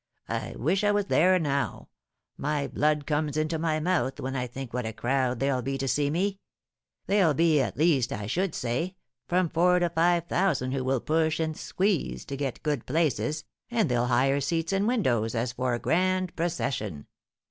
"I wish I was there now, my blood comes into my mouth when I think what a crowd there'll be to see me; there'll be, at least, I should say, from four to five thousand who will push and squeeze to get good places, and they'll hire seats and windows, as if for a grand procession.